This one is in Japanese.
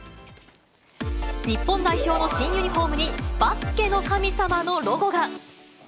日本代表の新ユニホームに、バスケの神様のロゴが。